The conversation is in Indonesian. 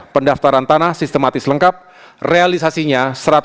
pendaftaran tanah sistematis lengkap realisasinya satu ratus satu delapan puluh tujuh